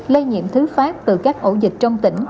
lây nhiễm thứ phát từ các ổ dịch trong tỉnh